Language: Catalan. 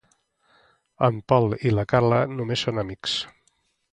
En Pol i la Carla només són amics.